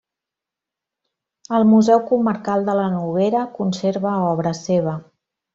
El Museu Comarcal de la Noguera conserva obra seva.